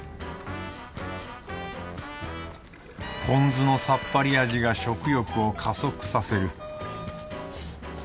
ポン酢のさっぱり味が食欲を加速させる